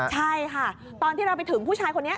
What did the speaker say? ใช่ค่ะตอนที่เราไปถึงผู้ชายคนนี้